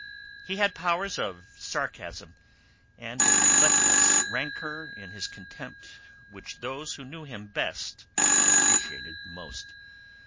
He had powers of sarcasm and a relentless rancor in his contempt which those who knew him best appreciated most.